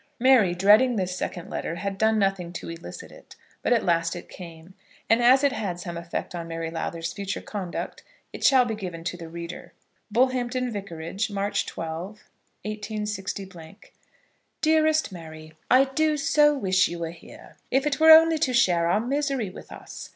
Mary, dreading this second letter, had done nothing to elicit it; but at last it came. And as it had some effect on Mary Lowther's future conduct, it shall be given to the reader: Bullhampton Vicarage, March 12, 186 . DEAREST MARY, I do so wish you were here, if it were only to share our misery with us.